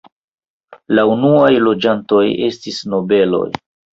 La unuaj loĝantoj estis nobeloj.